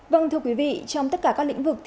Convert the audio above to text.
vâng thưa quý vị trong tất cả các lĩnh vực